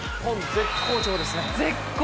絶好調ですね。